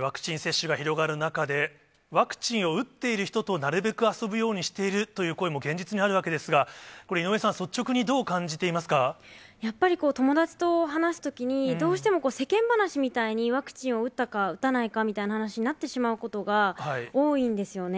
ワクチン接種が広がる中で、ワクチンを打っている人となるべく遊ぶようにしているという声も現実にあるわけですが、これ井上さん、やっぱり、友達と話すときに、どうしても世間話みたいに、ワクチンを打ったか、打たないかみたいな話になってしまうことが多いんですよね。